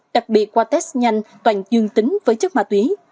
đặc biệt qua test nhanh toàn dương tính với chất ma túy